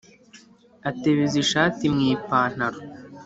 atebeza ishati mu ipantaro